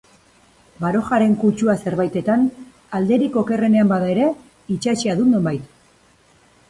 Barojaren kutsua zerbaitetan, alderik okerrenean bada ere, itsatsia dut, nonbait.